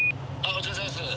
お疲れさまです。